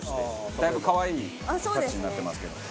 だいぶ可愛いタッチになってますけど。